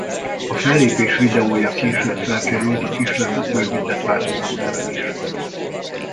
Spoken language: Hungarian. A fellépés videója később felkerült a kislemez bővített változatára is.